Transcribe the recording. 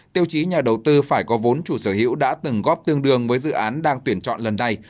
tiêu chí nhà đầu tư phải có vốn chủ sở hữu đã từng góp tương đương với dự án đang tuyển chọn lần này